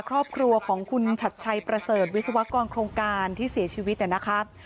ครอบครัวของคุณชัดชัยประเสริฐวิศวกรโครงการที่เสียชีวิตนะครับ